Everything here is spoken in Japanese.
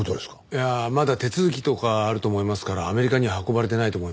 いやまだ手続きとかあると思いますからアメリカには運ばれてないと思います。